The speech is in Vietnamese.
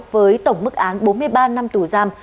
với tổng mức án bốn mươi ba năm tù giam